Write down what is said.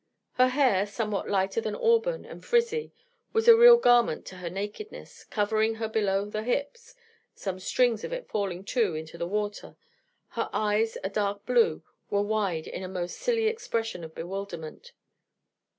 Her hair, somewhat lighter than auburn, and frizzy, was a real garment to her nakedness, covering her below the hips, some strings of it falling, too, into the water: her eyes, a dark blue, were wide in a most silly expression of bewilderment.